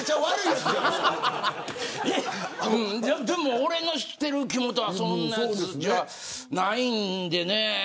でも、俺が知ってる木本はそんなやつじゃないんでね。